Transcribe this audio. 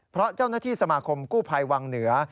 เพราะเจ้าหน้าที่สมาคมกู้ภัยวังเหนือ